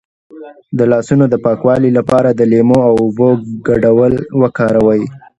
د لاسونو د پاکوالي لپاره د لیمو او اوبو ګډول وکاروئ